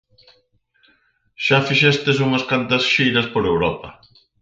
Xa fixestes unhas cantas xiras por Europa...